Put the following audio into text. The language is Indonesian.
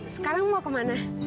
sekarang mau kemana